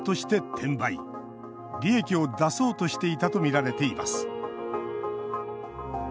利益を出そうとしていたとみられています。